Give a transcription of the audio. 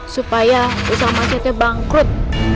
supaya busung mas setio bangkrut